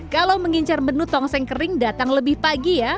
kalau mengincar menu tongseng kering datang lebih pagi ya